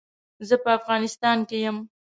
زه په افغانيستان کې يم.